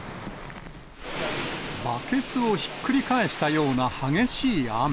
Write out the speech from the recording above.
バケツをひっくり返したような激しい雨。